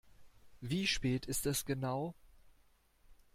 Wie spät ist es genau?